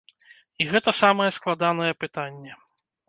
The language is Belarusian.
І гэта самае складанае пытанне.